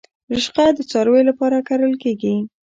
رشقه د څارویو لپاره کرل کیږي